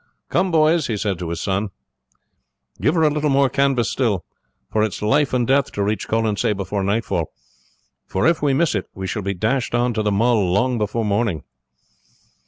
Come, boys," he said to his sons, "give her a little more canvas still, for it is life and death to reach Colonsay before nightfall, for if we miss it we shall be dashed on to the Mull long before morning."